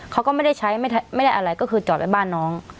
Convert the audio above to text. เขาก็ไม่ได้ใช้ไม่ได้อะไรก็คือจอดไว้บ้านน้อง